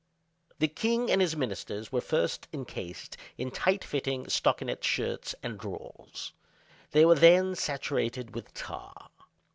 The king and his ministers were first encased in tight fitting stockinet shirts and drawers. They were then saturated with tar.